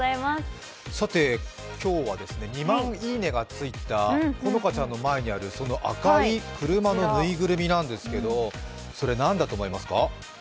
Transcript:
さて今日は２万いいねがついた好花ちゃんの前にあるその赤い車の縫いぐるみなんですけどそれ、何だと思いますか？